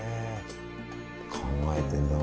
考えてんだな。